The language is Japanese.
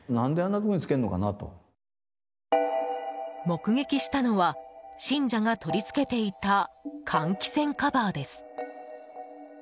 目撃したのは信者が取り付けていた換気扇カバーです。